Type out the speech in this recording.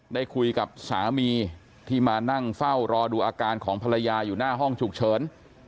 ได้คุยกับสามีที่มานั่งเฝ้ารอดูอาการของภรรยาอยู่หน้าห้องฉุกเฉิน